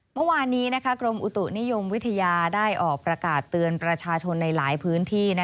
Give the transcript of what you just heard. เมื่อวานนี้กรมอุตุนิยมวิทยาได้ออกประกาศเตือนประชาชนในหลายพื้นที่